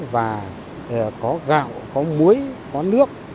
và có gạo có muối có nước